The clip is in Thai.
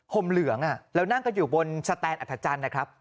ห่มเหลืองแล้วนั่งกันอยู่บนสแตนอัฐจันทร์นะครับ